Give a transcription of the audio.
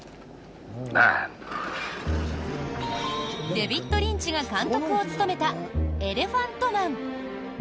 デヴィッド・リンチが監督を務めた「エレファント・マン」。